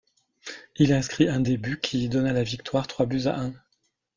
Il inscrit un des buts qui donna la victoire trois buts à un.